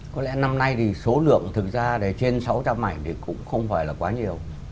có lẽ năm nay thì số lượng thực ra là trên sáu trăm linh ảnh thì cũng không phải là quá nhiều